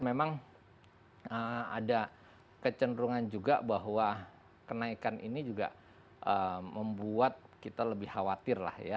memang ada kecenderungan juga bahwa kenaikan ini juga membuat kita lebih khawatir lah ya